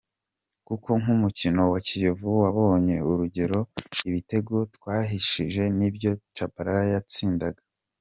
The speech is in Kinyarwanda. Kuko nk’umukino wa Kiyovu wabonye, urugero ibitego twahushije ni byo Tchabalala yatsindaga.